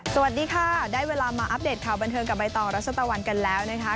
สวัสดีค่ะได้เวลามาอัปเดตข่าวบันเทิงกับใบตองรัชตะวันกันแล้วนะคะ